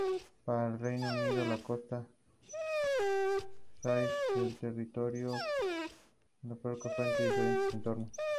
Con respecto a la flora, el parque presenta diferentes entornos.